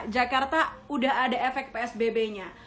jakarta udah ada efek psbb nya